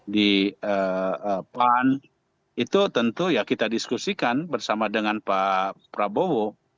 di pan itu tentu ya kita diskusikan bersama dengan pak prabowo